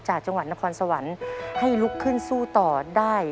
จังหวัดนครสวรรค์ให้ลุกขึ้นสู้ต่อได้